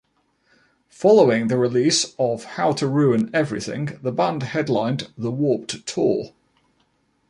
Following the release of How to Ruin Everything, the band headlined The Warped Tour.